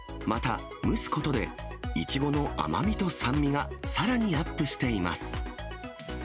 また、蒸すことで、イチゴの甘みと酸味がさらにアップしています。